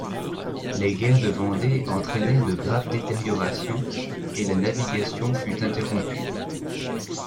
Les guerres de Vendée entraînèrent de graves détériorations et la navigation fut interrompue.